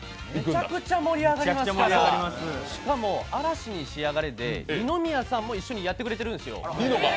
めちゃくちゃ盛り上がりますから、しかも「嵐にしやがれ」で二宮さんも一緒にやってくれてるんですよ。